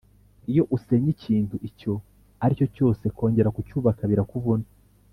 iyo usenye ikintu icyo ari cyo cyose kongera kucyubaka birakuvuna